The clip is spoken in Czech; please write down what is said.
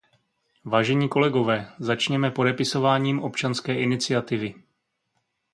Vážení kolegové, začneme podepisováním občanské iniciativy.